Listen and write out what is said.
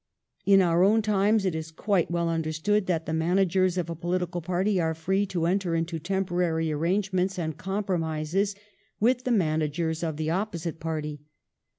In our own times it is quite well understood that the managers of a political party are free to enter into temporary arrangements and compromises with the managers of the opposite party.